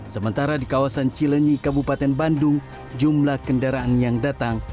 sementara di kawasan cilenyi kabupaten bandung jumlah kendaraan yang datang